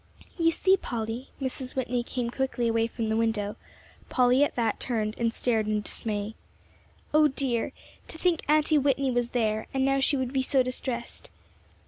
"You see, Polly," Mrs. Whitney came quickly away from the window. Polly at that turned and stared in dismay. O dear! To think Aunty Whitney was there, and now she would be so distressed.